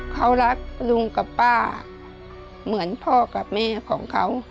เขารักลุงกับป้าเหมือนพ่อกับแม่ของเขา